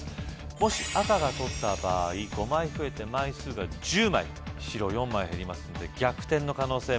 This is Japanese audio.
もし赤が取った場合５枚増えて枚数が１０枚白４枚減りますんで逆転の可能性まだ残っております